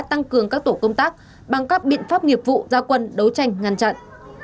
tăng cường các tổ công tác bằng các biện pháp nghiệp vụ gia quân đấu tranh ngăn chặn